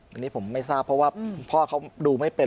อันนี้ผมไม่ทราบเพราะว่าพ่อเขาดูไม่เป็น